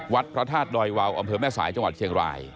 พระธาตุดอยวาวอำเภอแม่สายจังหวัดเชียงราย